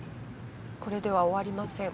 これでは終わりません。